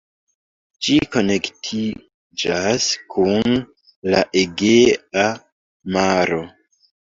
Ĝi konektiĝas kun la Egea maro.